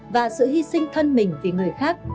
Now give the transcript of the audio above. và sự hy sinh thân mình vì người khác